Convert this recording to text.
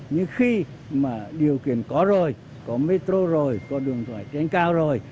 nhưng khi mà điều kiện có rồi có metro rồi có điện thoại trên cao rồi